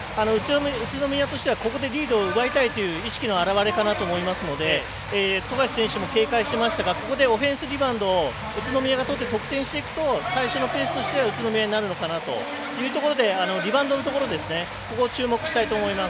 宇都宮としては、ここでリードを奪いたいという意識の表れかと思いますので富樫選手も警戒していましたがここでオフェンスリバウンドを宇都宮がとって最初のペースとしては宇都宮になるのかなというところでリバウンドのところ注目したいと思います。